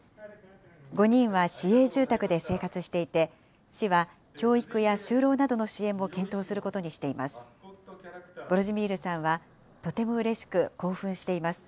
５人は市営住宅で生活していて、市は教育や就労などの支援も検討することにしています。